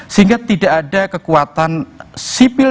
sehingga tidak ada kekuatan sipil